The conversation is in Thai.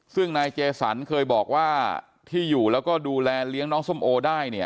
ซึ่งนายเจสันเคยบอกว่าที่อยู่แล้วก็ดูแลเลี้ยงน้องส้มโอได้เนี่ย